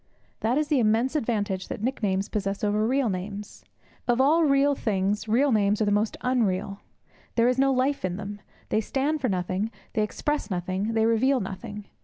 That is the immense advantage that nicknames possess over real names. Of all real things, real names are the most unreal. There is no life in them. They stand for nothing; they express nothing; they reveal nothing.